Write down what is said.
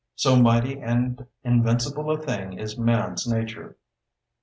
So mighty and invincible a thing is man's nature.